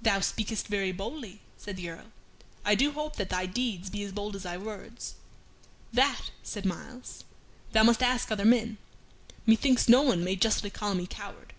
"Thou speakest very boldly," said the Earl. "I do hope that thy deeds be as bold as thy words." "That," said Myles, "thou must ask other men. Methinks no one may justly call me coward."